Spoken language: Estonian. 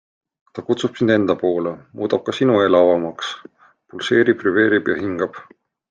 Ta kutsub sind enda poole, muudab ka sinu elavamaks, pulseerib-vibreerib ja hingab.